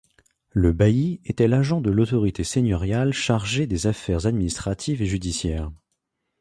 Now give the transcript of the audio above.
Le bailli était l'agent de l'autorité seigneuriale chargé des affaires administratives et judiciaires.